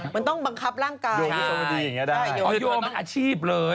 มันต้องบังคับร่างกายมันอาชีพเลย